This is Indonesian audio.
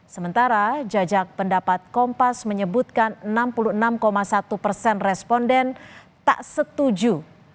sementara jajak pendapat kompas menyebutkan enam puluh enam satu persen responden tak setuju